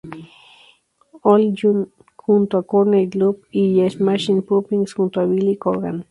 Hole, junto a Courtney Love, y Smashing Pumpkins, junto a Billy Corgan.